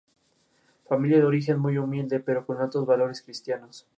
Puede ocurrir ruptura de la cápsula hepática con hematoma hepática secundaria.